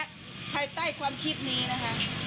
ภายใต้ความคิดนี้นะคะ